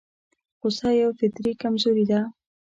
غوسه يوه فطري کمزوري ده.